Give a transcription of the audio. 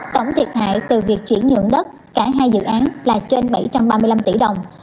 tổng thiệt hại từ việc chuyển nhượng đất cả hai dự án là trên bảy trăm ba mươi năm tỷ đồng